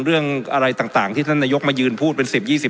เรื่องอะไรต่างที่ท่านนายกมายืนพูดเป็น๑๐๒๐